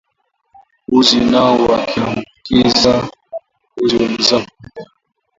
mbuzi nao wakiwaambukiza mbuzi wenzao pekee